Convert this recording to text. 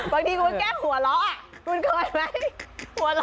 บางทีคุณแก้หัวเราะคุณเคยไหม